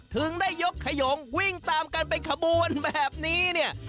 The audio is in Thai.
ถึงได้ยกขยงวิ่งตามกันเป็นขบวนแบบนี้เนี่ย